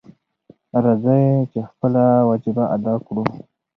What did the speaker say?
راځئ چې خپله وجیبه ادا کړو.